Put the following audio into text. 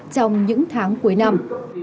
trong những tháng cuối năm